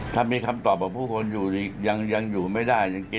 ถ้ามีคำตอบบอกผู้คนอยู่ดียังหยุดไม่ได้